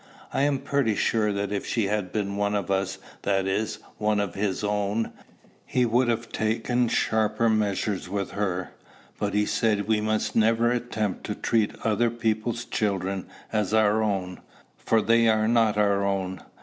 I am pretty sure that if she had been one of us, that is, one of his own, he would have taken sharper measures with her; but he said we must never attempt to treat other people's children as our own, for they are not our own.